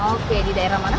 oke di daerah mana